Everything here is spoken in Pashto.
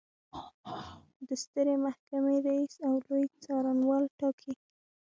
د سترې محکمې رئیس او لوی څارنوال ټاکي.